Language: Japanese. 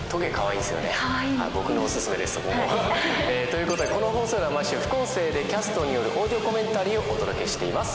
ということでこの放送では毎週副音声でキャストによるオーディオコメンタリーをお届けしています。